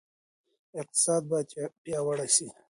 اقتصاد باید پیاوړی سي.